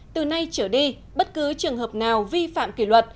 từ nay trở đi bất cứ trường hợp nào vi phạm kỷ luật